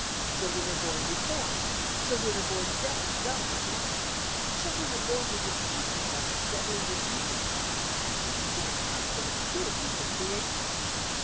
Children are born deformed; children are born deaf, dumb, or blind; children are born with the seeds in them of deadly diseases. Who can account for the cruelties of creation?